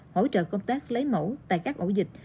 hỗ trợ công tác lấy mẫu tại các ổ dịch